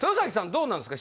どうなんですか？